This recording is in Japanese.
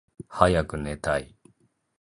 はやくねたい